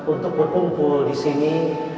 untuk berkumpul disini